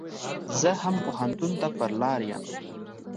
زه هم پو هنتون ته پر لار يم.